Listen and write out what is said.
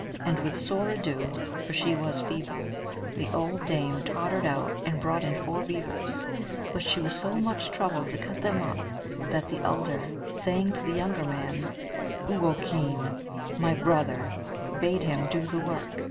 And with sore ado for she was feeble the old dame tottered out and brought in four beavers ; but she was so much troubled to cut them up that the elder, saying to the younger man Uoh keenf (M.), " My brother," bade him do the work.